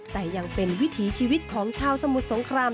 แต่ยังเป็นวิถีชีวิตของชาวสมุทรสงคราม